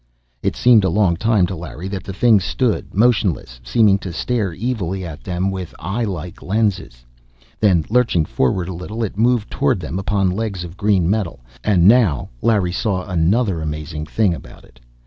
It seemed a long time to Larry that the thing stood, motionless, seeming to stare evilly at them with eye like lenses. Then, lurching forward a little, it moved toward them upon legs of green metal. And now Larry saw another amazing thing about it.